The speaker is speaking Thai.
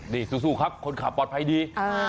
นี่สู้ครับคนขับปลอดภัยดี